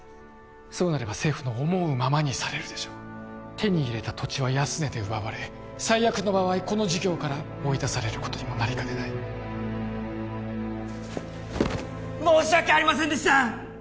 そうなれば政府の思うままにされるでしょう手に入れた土地は安値で奪われ最悪の場合この事業から追い出されることにもなりかねない申し訳ありませんでした！